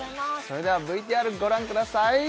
それではＶＴＲご覧ください